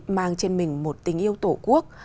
mang trên mình một tình yêu tổ quốc